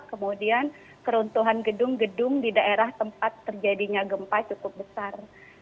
kemudian keruntuhan gedung gedung di daerah tempat terjadinya gempa cukup besar